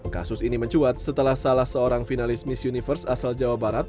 kasus ini mencuat setelah salah seorang finalis miss universe asal jawa barat